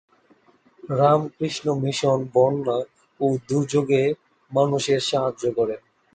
Ramakrishna Mission বন্যা ও দুর্যোগে মানুষের সাহায্য করে।